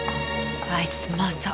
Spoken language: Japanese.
あいつまた。